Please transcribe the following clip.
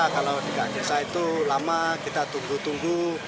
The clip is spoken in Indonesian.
kalau di desa itu lama kita tunggu tunggu